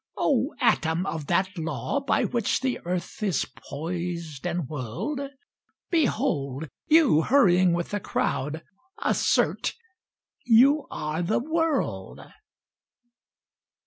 "O atom of that law, by which the earth Is poised and whirled; Behold! you hurrying with the crowd assert You are the world."